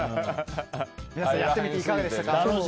皆さんやってみていかがですか？